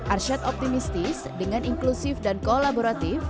arsyad optimistis dengan inklusif dan kolaboratif